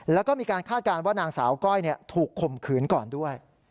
แล้วก็มีการคาดการณ์ว่านางสาวก้อยถูกข่มขืนก่อนด้วย